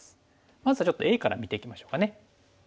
まずはちょっとＡから見ていきましょうかね。